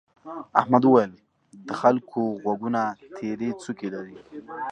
احمد وويل: د خلکو غوږونه تيرې څوکې لري.